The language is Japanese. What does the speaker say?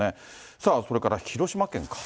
さあそれから、広島県か。